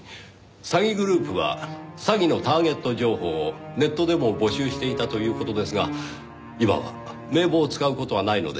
詐欺グループは詐欺のターゲット情報をネットでも募集していたという事ですが今は名簿を使う事はないのでしょうか？